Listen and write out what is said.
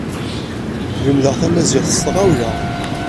Lemdeɣ tamaziɣt s tɣawla.